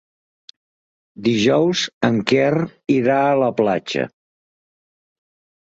Dijous en Quer irà a la platja.